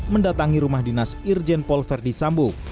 mendatangi rumah dinas irjen paul verdi sambo